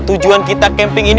tujuan kita camping ini